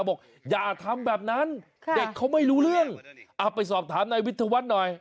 บอกอย่าทำแบบนั้นเด็กเขาไม่รู้เรื่องเอาไปสอบถามนายวิทยาวัฒน์หน่อย